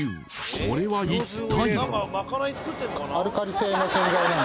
これは一体？